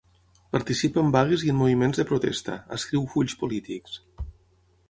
Participa en vagues i en moviments de protesta, escriu fulls polítics.